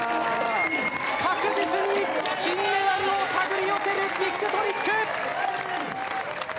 確実に金メダルを手繰り寄せるビッグトリック！